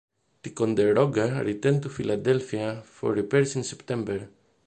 "Ticonderoga" returned to Philadelphia for repairs in September.